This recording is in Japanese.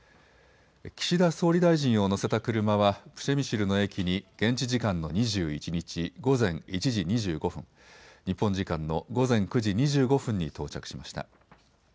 岸田総理大臣を乗せた車はプシェミシルの駅に現地時間の２１日午前１時２５分、日本時間の午前９時２５分に到着しました。